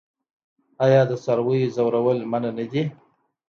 آیا د څارویو ځورول منع نه دي؟